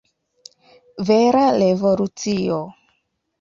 Vera revolucio!